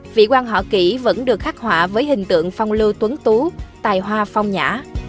vị quan họ kỹ vẫn được khắc họa với hình tượng phong lưu tuấn tú tài hoa phong nhã